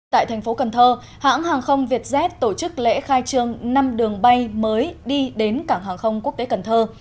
tại thành phố cần thơ hãng hàng không vietjet tổ chức lễ khai trương năm đường bay mới đi đến cảng hàng không quốc tế cần thơ